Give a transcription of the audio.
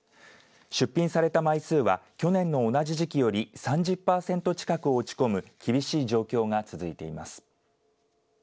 出品された枚数は去年の同じ時期より３０パーセント近く落ち込む厳しい状況が続いています。